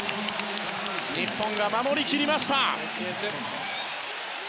日本が守り切りました。